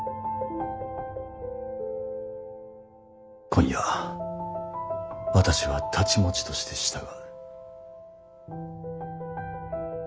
今夜私は太刀持ちとして従う。